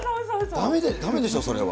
だめでしょ、それは。